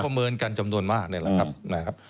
เขาประเมินกันจำนวนมากนี่แหละครับ